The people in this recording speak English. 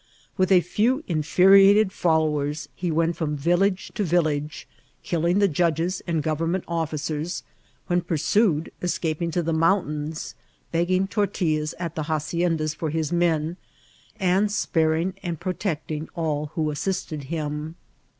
With a few infuriated followers he went from village to village, killing the judges and government officers, when pur sued escaping to the mountains, begging tortillas at the haciendas for his men, and sparing and protecting all who assisted him.